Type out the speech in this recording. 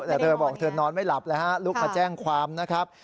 แต่เธอบอกเธอนอนไม่หลับเลยฮะลุกมาแจ้งความนะครับ